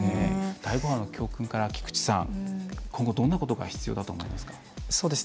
第５波の教訓から菊池さん、今後どんなことが必要だと思いますか？